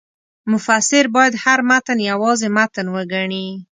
مفسر باید هر متن یوازې متن وګڼي.